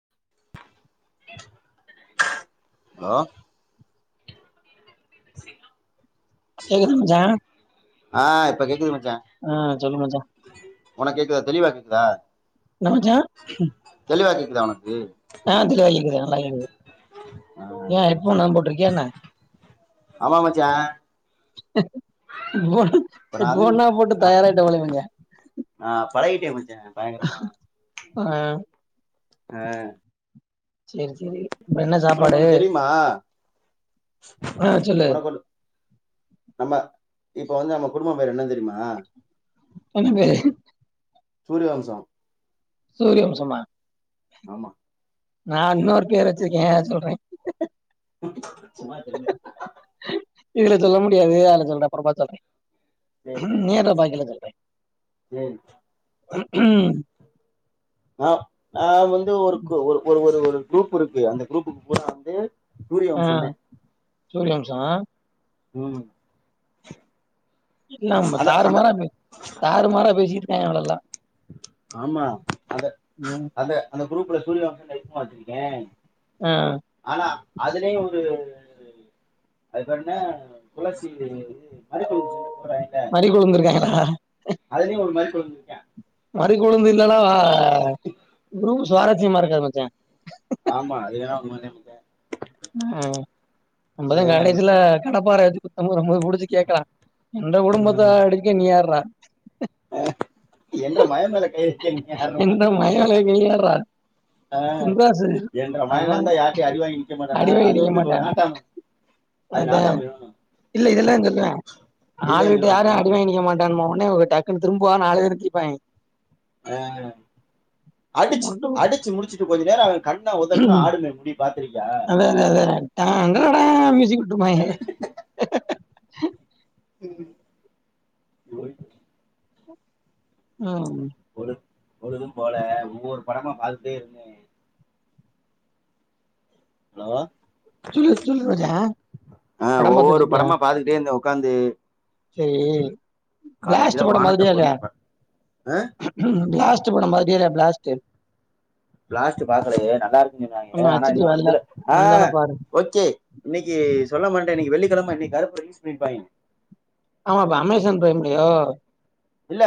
Allow [inaudible] கேக்குதா சா ஆ இப்ப கேக்குது மச்சே ஆ சொல்லு மச்சான் ஒனக் கேக்குதா தெளிவா கேக்குதா என்ன மச்சான் தெளிவா கேக் கிதா ஒனக்கு ஆ தெளிவா கேக்குது நல்லா கேக்கு ஆ ஏ சேரி ஹெட்ஃபோன் சேரி எது போட்டிருக்கியா என்ன ஆமா மச்சே ச எட்ஃபோனு நா வந்து எட்ஃபோன்லா போட்டு ஆ தயாராய்ட்ட போலயே மச்சே ஆ பழகிட்டே சேரி சேரி அப்ற என்ன உனக்கு சாப்பாடு ஒண்ணு தெரியுமா அ சொல்லு உனக்கு ஒண்ணு நம்ம இப்ப வந்து நம்ம குடும்பம் பேர் என்ன தெரியுமா என்ன பேரு சூரியவம்சம் சூரியவம்சமா ஆமா நா இன்னொரு பேர் வச்சிருக்கே சொல்றே சும்மா சொல்லு இதுல சொல்ல முடியாது அதல சொல்றே அப்பறமா சொல்லுறே சேர் சேர் சேர் சேர் சேரி ம் ஆஹ் நா வந்து ஒரு ஒரு ஒரு ஒரு குரூப் இருக்கு அந்த குரூப்புக்கு போன தேவ் சூரியவம்சமே சூரியவம்சோ ம் இல்ல நம்ம அத தாரு அத மாறா பே தாரு மாறா பேசிகிட்டு இருக்காங்க அவங்க நல்லா ஆமா அத ம் அந்த அந்த குரூப்ல சூரிய வம்சம் எதுக்குமா வச்சுருக்கே அஹ் அதுலயு ஒரு அது பேரு என்ன துளசின்டு இது மரிக்கொழுந்து செண்டு போடுறாங்கள மறி கொழுந்து இருக்காய்ங்களா அதுலயு ஒரு மாரி சொல்லிருக்க மறி கொழுந்து இல்லனா ஆ உ சுவாரஸ்யமா இருக்காது மச்சா ஆமா அது வேணா உண்மை நினைக்கிறேன் ம் நம்பதா ஆஹ் காடைசில கடப்பாரவச்சு குத்த வரும்போது புடிச்சு கேக்குறா என்ட குடும்பத்த அடிக்க நீ யார்டா என்ற மய மேல கை வக்க நீ யார்றா எந்த மயவளைய நீ யார்றா? அஹ் சின்ராசு என்ற மயன நம்ம இருந்தா யார்டயு அடி வாங்கி நிற்க மாட்டான் டா அது வந்து ஒரு நாட்டாம அது அதே நாட்டாம இருக்கணும் இல்ல இதுலதா சொல்வ ஆள் இதுதான் விட்டு யாரு சொல்லுவானா அடி வாங்கி நிக்க மாட் சொன்னோனே டக்குன்னு திரும்புவாங்க நாலு பேரு எந்திருப்பாங்க ஆஹ் அடிச்சு மட்டும் அடிச்சு முடிச்சுட்டு கொஞ்சோ நேரோ அவ கண்ண உதர்னா ஆடுமே முடி அதே அதே அதே டான்டடா மூயுசிக் விட்டுரு ப்பாங்கே [inaudible] பாத்திருக்கியா ம் ஒய்ட் ம் பொழுத் பொழுதும் போல ஒவ்வொரு படமா பாத்துட்டே இருந்தே ஹலோ சொல்லு சொல்லு ரோஜா ஆஹ் படம் ஒவ்வொரு படமா பாத்துக்கிட்டே இருந்தே உக்காந்து சேரி கடைசியில ப்ளாஸ்ட் படோ வானத்த பாத்திட்டியா இல்லையா போலன்னு பா ஆ ப்ளாஸ் ட்டு படோ பாத்திட்டியா இல்லையா ப்ளாஸ்ட்டு ப்ளாஸ்ட்டு பாக்கலையே நல்லா இருக்குன்னு ஆமா சொன்னாங்க ஆனா ஹச்டி இன்னு வரல. இதுல வந்தோன ஆஹ் பாரு. ஓகே இன்னைக்கு சொல்ல மறன்டே வெள்ளிக்கிழம இன்னைக்கு கருப்பு ரிலீஸ் பண்ணிருப்பாங்கய ஆமா பா அமேசான் ப்ரைம்லையோ இல்ல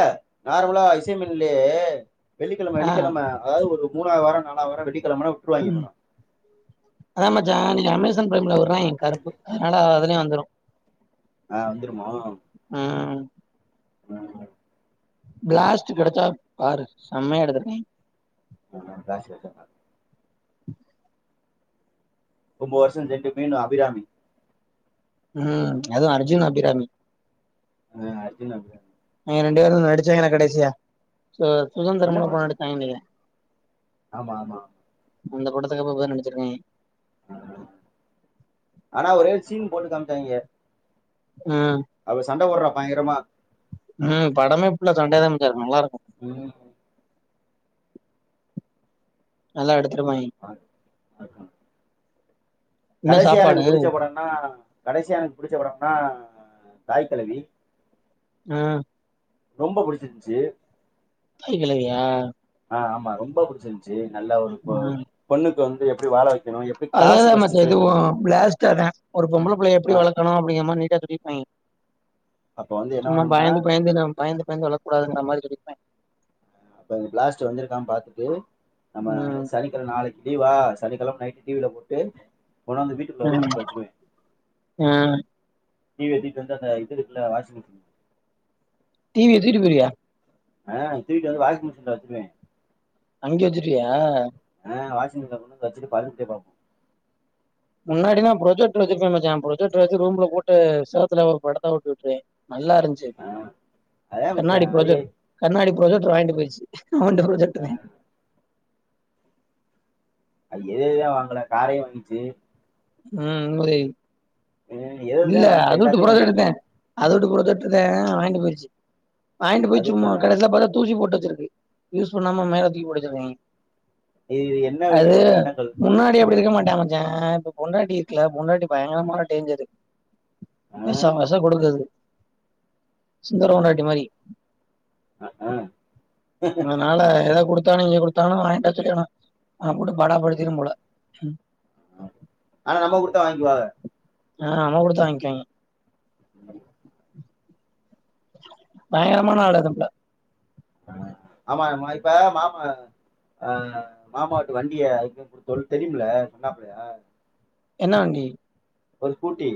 நார்மலா இசைமினிலேயே வெள்ளிக்கிழம ஆ. வெள்ளிக்கிழம அதாவது ஒரு மூணாவது வாரோ நாலாவது வா வெடி அத மச்சா இன் னைக்கி அமேசான் ப் ரைம்ல விட்றாங்க கருப்பு அதனால அதலே வந்துரு ஆஹ் வந்துருமோ ஆஹ் ப்ளாஸ்ட் படத்த பாரு செம்மையா எடுத்ருக்காங்க நா காஸ் கேட்டேனா [inaudible] ரொம்ப வர்ஷோ ரெண்டுமே நா அபிராமி ம் அது அர்ஜுன் அபிராமி ஆ அர்ஜுன் அபிராமி இவுங்க ரெண்டு பேரு நடிச்சாங்கன்னா கடைசியா சு சுதந்தரமுனு ஒரு படோ நடிச்சாய்ங்கன் நெனைக்கிறே ஆமா ஆமா அந்த படத்துக்கு அப்றோ இப்ப தா நடிச்சிருக்காய்ங்க ஆனா ஒரே ஒரு சீன் போட்டு காம்ச்சாய்ங்க ம். அவ சண்ட போடுறா பயங்கரமா ம் படமே ஃபுல்லா சண்டையாதா மச்சா இருக்கு நல்லா இரு ம் ம் நல்லா எடு ஆ [unintelligible] என்ன கடைசியா சாப்பாடு? எனக்கு புடிச்ச படன்னா கடைசி எனக்கு புடிச்ச படன்னா தாய்கெழவி ஆ ரொம்ப புடிச்சிருஞ்சி தாய்கெலவியா ஆமா ரொம்ப புடிச்சிருஞ்சு நல்ல ஒரு ஒ பொண்ணுக்கு வந்து எப்டி வாழ வெ அதே தா மச்சா இதுவு பிளாஸ்ட்டு அதா ஒரு பொம்பள புள்ளைய எப்டி ஆ, வளக்கணு அப்டிங்கிற மாரி நீட்டா சொ அப்ப வந்து [unintelligible] என்ன சும்மா பண்ணணும்னா பய்ந்து பய்ந்து இத பய்ந்து பயந்து வளக்க கூடாது இந்த மாரி சொல்லிர்பே அப்ப பிளாஸ்ட் வந்திருக்கா பாத்துட்டு நம்ம ம். சனிக்கெழ நாளைக் லீவா சனிக்கெழம நைட்டு டி வி ல போட்டு கொண்டாந்து வீட்டுக்குள்ள ரூம் ம். குள்ள வெச்சிக்குவே ஆ. டி வி ய தூக்கிட்டு வந்து அந்த இது இருக்கில்ல வாஷிங்மிஷின் டி வி ய தூக்கிட்டு போய்டுவியா ஆ தூக்கிட்டு வந்து வாஷிங் மிஷின்ல வெச்சிருவே அங்க வெச்சுட்ருவியா ஆ வாஷிங் மெசின கொண்டு வந்து வச்சிட்டு படுத்துகிட்டே பாப்பே முன்னாடி நா ப்ரொஜெக்ட்ரு வெச்சிருக்கே மச்சா ப்ரொஜெக்ட்ர் வெச்சு ரூம்ல போட்டு செவுத்துல ஒரு படத்த ஒட்டி உட்ருவே நல்லா இருஞ்சு ஆ அதா மச்சா கண்ணாடி அது எ ப்ரொஜெக்ட் கண்ணாடி ப்ரொஜெக்ட்ரு வாங்கிட்டு போயிடுச்சு அவன்ட தா ஆ ப்ரொஜெக்ட்டு தே அவ எத எதா வாங்கல காரையி வாங்கிச்சி ம் இல்லை ம் எது எதுலா இல்ல வாங்கல அது உட்டு எல்லாத்தையு பொறகெடுத்தே வாங்கிருக்கு அத உட்டு பொறகெடுத்துதே வாய்ண்டு போய்ருச்சி வாய்ண்டு போய் சும்மா அதிர்ஷ்டமா கடசில பாத்தா தூசி போட்டு வெச்சிருக்கு யூஸ் பண்ணாம மேல தூக்கி போட்டு வெச்சிருக்கே இது இது என்ன இவ அது ஒரு எண்ணங்கள் முன்னாடி அப்டி இருக்க மாட் டா மச்சா இப்ப பொண்டாட்டி இருக்குல பொண்டாட்டி பயங்கிறமான டேஞ்சரு ஆ வெஷோ வெஷோ கொடுக்கதுக்கு ஆ சுந்தரோ பொண்டாட்டி மாரி ஆ ஆ அதனால எதா கொடுத் தானு இங்க கொடுத்தானு வாய்ண்ட்டா சொல்லிறனு அவன போட்டு பாடா படுத்திரும்போலா ம் ஆனா நம்ம குடுத்தா வாங்கிக்குவாக ஆ நம்ம குடுத்தா வாய்ங்கிவாங்க உம் பயங்கரமான ஆளு அதப்ப அ ஆமா ஆமா இப்ப மாமா அ மாமா வீட்டு வண்டிய அதுக் தா குடுத்தோல் தெரிய்ம்ல சொன்னாப்பிலையா என்ன வண்டி ஒரு ஸ்கூட்டி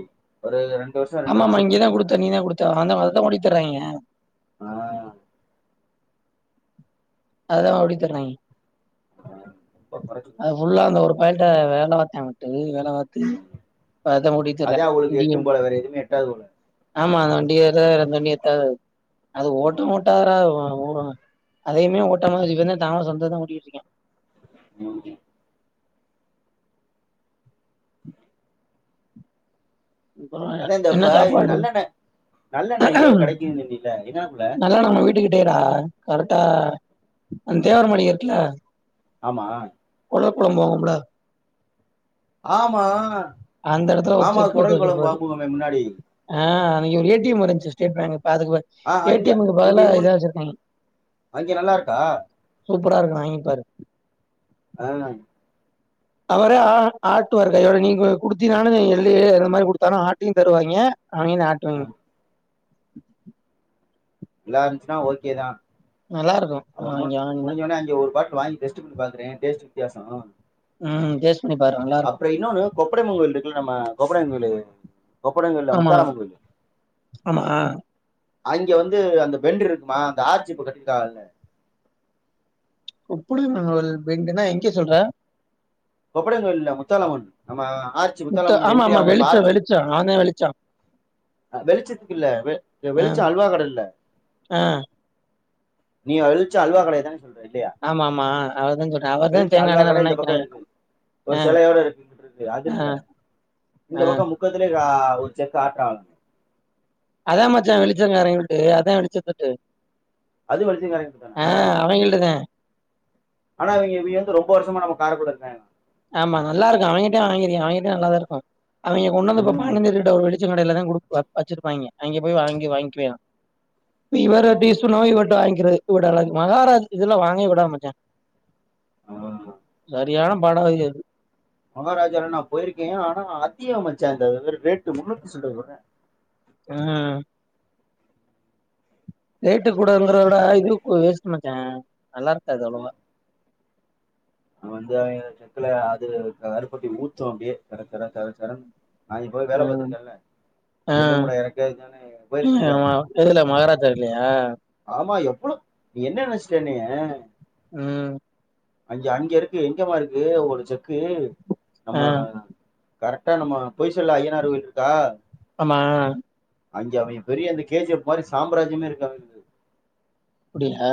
ஒரு ரெண் ஆமாம்மா இங்கதா குடுத்த நீ தா குடுத்த அந்த அததா ஓட்டி திர்றாங்கே ஆ அதா ஓட்டி திர்றாங்கே ஆ ரொம்ப கொறச்சு அது ஃபுல்லா அந்த ஒரு ஃபால்ட்ட வேல வத்தே மட்டு வேல பாத்து இப்ப அதா ஓட்டிட்டு திர்ரே அதா அவளுக்கு டி என் எட்டும் போல வேற எதுவுமே எட்டாது ஆமா டியரு அந்த வண்டி எட்டாது அது ஓட்டு போல ஓட்டாதரா ஓடு அதையுமே ஓட்டாம தா வச்சு வந்து தாமஸ் வந்து தா ஓட்டிட்டு இருக்கியா ம் அப்றோ அதான் இந்த என்ன இப்ப இது சாப்பாடு நல்லெண்ணெய் நல்லெண்ணெய் எங்கேயோ கிடைக்குதுன்னு சொன்னீல என்ன புள்ள நல்லா நம்ம வீட்டுக்கிட்டேடா கர டா அந்த தேவர் மாளிகை இருக்குல ஆமா தவர் குளம் போவோம்ல ஆமா அந்த எடத்துல ஒரு மாமா செக்கு வட்டு குடல் குழம்பு வச்சுருப்பாரு வாங்குவோமே முன்னாடி ஆ அன்னைக்கு ஒரு ஏ டி எம் இருந்துச்சு ஸ்டேட் பேங்க் அதுக்கு ப ஆ ஏ அங்க டி எம்க்கு அங்க பதுலா இது இத பண்ணு வச்சிருக்காங்க அங்க நல்லா இருக்கா சூப்பரா இருக்கா வாங்கி பாரு ஆ அவரே ஆ ஆட்டுவாரு கையோட நீங்க குடுத்தீனாலு எள்ளு அத மாரி குடுத்தாலு ஆட்டியு தருவாய்ங்க அவிங்களே ஆ, ஆட்டுவாய்ங்க நல்லா இருந்துச்சுன்னா ஓகே தா நல்லா இருக்கு அத மு அவிங்க வாங்குனா முடிஞ்சோனே அங்க ஒரு கோட்ரு வாங்கி டெஸ்டு பண்ணி பாக்குறே டேஸ்ட் வித்தியாசோ ம் டேஸ் பண்ணி பாரு நல்லா இருக்கு கொப்படை அம்மன் கோயில் இருக்குல்ல நம்ம கொப்படைங் கோயிலு கொப்படங்க இல்ல ஆமா முத்தாரம்ம கோயிலு ஆமா அங்க வந்து அந்த பெண்டு இருக்குமா அந்த ஆர்ச்சி இப்ப கட்டிருக்காகல்ல கொப்படி அம்மன் கோயில் பெண்டுனா எங்கே சொல்ற கொப்படைங்கோயில் இல்ல முத்தாலம்மன் நம்ம ஆச்சு முத்த முத்தாலம்மனுக்கு ஆமா என்றி ஆமா அவுங்க இப்ப வெளிச்சம் ஆர்ச் வெளிச்சம் அவன்தா வெளிச்சம் அ வெளிச்சத்துக்கு இல்ல வெ ஆ வெளிச்ச அல்வா கட இல்ல ஆ. நீ எழிச்ச அல்வா கடையதான ஆமா ஆமா அததா சொல்றே அவர்தா வெளிச்ச தேங்கா அல்வா எண்ண கடை நல்லெண்ண இந்த பக்கம் விக்கிறாய்ங்க இருக்கு ஒரு செலையோட இங்குட்டு இருக்கு அது இல்ல இந்த ஆ. பக்கோ முக்கத்திலயே கிரா ஆ உச்சக்காட்றா அதா மச்சா வெளிச்ச கார வீட்டு அதா வெளிச்சத்துட்டு அது வெளிச்சங்காரங்க ஆ தானே அவிங்கல்ட்டதே ஆனா இவிங்க இவி வந்து ரொம்ப வருஷமா நம்ம காரப்படு இருக்காய்ங்க ஆமா நல்லா இருக்கு அவிங்கிட்டே வாங்கிருக்கே அவிங்கிட்டே நல்லாதா இருக்கு அவைங்க கொண்டு வந்துப்ப ம். பானந்தர்கிட்ட ஒரு வெளி ச்ச கடையில தா குடு வ வச்சிருப்பாய்ங்க அங்கே போய் வாங்கி வாங்கிக்கிவியா இவரப்டி சுனோ இவர்ட்ட வாங்கிக்கிறது ஊடலா மகாரஜா இதுல்லா வாங்கவே கூடாது மச்சா ஆமா. சரியான பாடகை அது மகாராஜால நா போயிருக்கே ஆனா அதிய மச்சா இந்த இவரு ரேட்டு முன்னுத்தி சில்ற சொல்றா அ ரேட்டு கூடங்கரத விட இதுக்கு வேஸ்ட் மச்சா நல்லா இருக்காது அவ்ளவா அவன் வந்து செக்குல அது கருப்பட்டி ஊத்து அப்படியே சரச்சரசரச்சரனு நா இவ்ளோ வேலை ம். பாத்துருக்கேன்ல ஆ. எள்ளு மூட எறக்கதுக்கான போயிருக்குல்ல ஆமா. எதுல மகாராஜா இல்லையா? ஆமா எப் நீ என்ன நெனைச்சிட்ட என்னைய ம் அங்க அங்கருக்கு எங்கமா இருக்கு ஒரு செக்கு நம்ம ஆ. கரட்டா நம்ம பொய் சொல்ல ஐய்யனார் கோயில்ருக்கா மா அங்க அவிங்க பெரிய அந்த கே ஜி எஃப் மாரி சாம்ராஜ்யமே இருக்கு அவிங்குளுது அப்டியா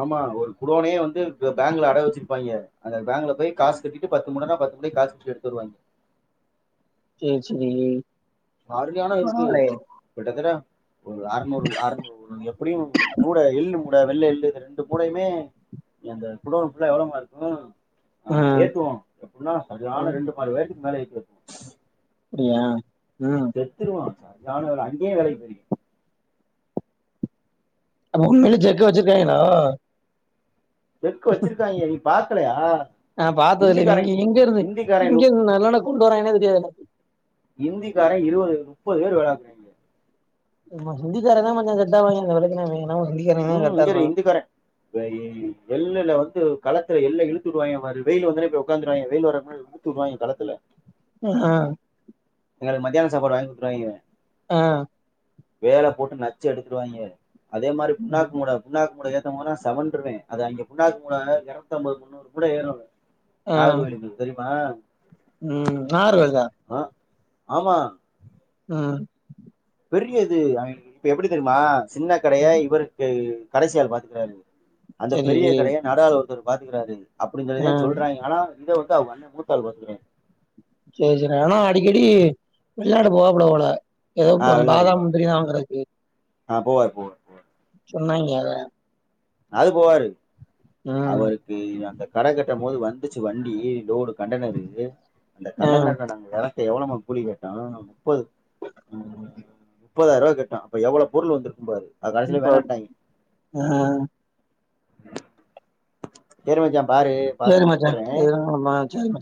ஆமா ஒரு குடோனே வந்து க பேங்க்ல அடகு வச்சிருப்பாய்ங்கே அந்த பேங்க்ல போய் காஸ் கட்டிட்டு பத்து மூடனா பத்து அப்டியே காஸ்ட்டு எடுத்தருவாய்ங்க சேச்சே ஆருளியான இருக்கு கிட்டத்தட்ட ஒரு அரநூறு அரநூறு எப்புடியு நூட எள்ளுமூ வுட வெள்ள எள்ளு இது ரெண்டு பூடையுமே அந்த குடோனு ஃபுல்லா எவ்ளமாருக்கு ஆ ம் ஏத்துவோ எப்புன்னா சரியான ரெண்டு மாடி உயரத்துக்கு மேல ஏத்தி வப்போ பிடியா செத்துருவா சரியான வேல அங்கியே வேலைக்கு போயிருக அப்ப உண்மைலே ஜக்க வச்சுருக்காய்ங்கலா ஜெக்கு வச்சிருக்காய்ங்க நீ பாக்கலையா நா பாத்ததில்ல இங்கி இந்திக்காரன் இங்கருந்து இந்திக்காரன் நு- இங்கியேருந்து நல்லனனா கொண்டு வராய்ங்கனே தெரியாது எனக்கு இந்திக்கார இருவது நுப்பது பேர் வேலாக்குறாய்ங்க ம்ம ஹிந்திகாரந்தா மச்சா செட்டாவாய்ங்க இந்த வெலைக்குலா இவிங்க ம் இங்கரு இந்திக்கார வெய் எள்ளுல வந்து களத்துல எள்ள இழுத்துடுவாய்ங்க பாரு வெயிலு வந்தோன போய் ஒக்காந்துருவாய்ங்க வெயில் வர முன்னாடி இழுத்து வுடுவாய்ங்க களத்துல ஆ எங்களுக்கு மத்தியான சாப்பாடு வாய்ங் குத்துருவாய்ங்க அ வேல போட்டு நச்சு எடுத்துருவாய்ங்க அதே மாரி புண்ணாக்கு மூட புண்ணாக்கு மூட ஏத் இந்த மொற செவன்றுவே அது அங்க புண்ணாக்கு மூட எரநூத்தம்பது முன்னூறு மூட ஏறு ஆ நாகரு கோயிலுருக்கு தெரியுமா ம் நாகர் கோயில்தா ஆ, ஆமா அ பெரிய இது அவிங்களுகு இப்ப எப்டி தெரியுமா சின்னக் கடைய ம், இவருக்கு கடைசியால் பாத்துக்கறாரு அந்தப் சரி பெரிய கடைய நடாளு ஒருத்தர் பாத்துகிறாரு அப்டின் ஆ சொல்லிதா சொல்றாய்ங்க ஆனா இந்த வந் த்த வொன்னே மூத்தாள் பாத்துகுறாரு செரி செரி ஆனா அடிக்கடி வெளிநாடு போவாப்லபோல ஏதோப் பாதாம் முந்திரிலா வாங்கறக்கு ஆ போவார் போவார் போவார் சொன்னாய்ங்க அத அது போவாரு ம் அவருக்கு அந்த கட கட்டம் போது வந்துச்சு வண்டி லோடு கண்டனரு அந்தக் ஆ கண்டருனல நாங்க எறக்க எவ்ளமா கூலி கேட்டா முப்பது ம் முப்பதாயிரவா கேட்டா அப்ப எவ்ள பொருள் வந்திருக்கு பாரு அது ம் கடைசியில பாடு அ சேரி மச்சாம் பாரு சரி பாத்துட்டு மச்சான். கூப்புர்றே இது நம்ம அ சரி